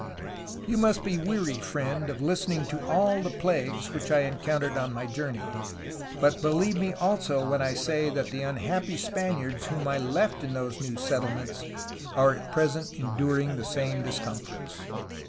"You must be weary, friend, of listening to all the plagues which I encountered on my journey, but believe me also when I say that the unhappy Spaniards whom I left in those new settle ments are at present enduring the same discomforts.